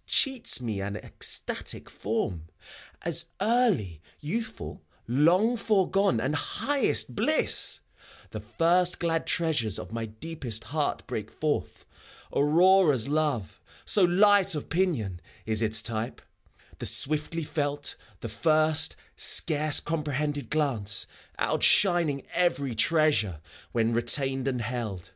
— Cheats me an ecstatic form, As early youthful, long foregone and highest bliss T The first glad treasures of my deepest heart break forth; Aurora's love, so light of pinion, is its typey The swiftly felt, the first, scarce comprehended glance, Outshining every treasure, when retained and held.